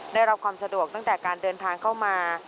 ได้รับความสะดวกตั้งแต่การเดินทางเข้ามา